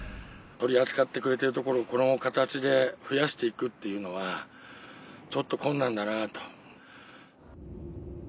取り扱ってくれてる所をこの形で増やしていくっていうのはちょっと困難だなと。